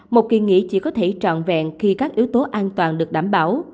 một kỳ nghỉ chỉ có thể trọn vẹn khi các yếu tố an toàn được đảm bảo